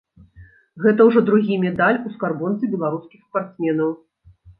Гэта ўжо другі медаль у скарбонцы беларускіх спартсменаў.